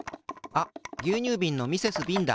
あぎゅうにゅうびんのミセス・ビンだ。